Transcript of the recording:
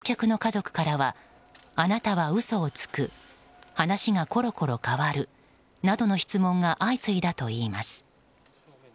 説明会の席で乗客の家族からはあなたは嘘をつく話がコロコロ変わるなどの質問が相次いだといいます。